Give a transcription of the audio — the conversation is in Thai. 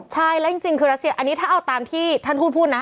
ใช่และจริงคือรัสเซียถ้าเอาตามที่ท่านพูดนะ